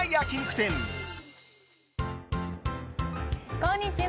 こんにちは！